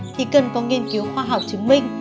thì cần có nghiên cứu khoa học chứng minh